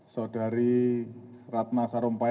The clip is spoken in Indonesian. saudari ratna sarumpait